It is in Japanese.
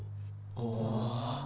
ああ？